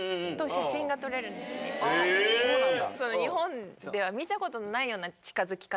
あっそうなんだ。